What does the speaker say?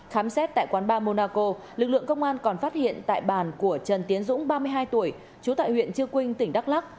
khám xét tại quán ba monaco lực lượng công an còn phát hiện tại bàn của trần tiến dũng ba mươi hai tuổi trú tại huyện chư quynh tỉnh đắk lắc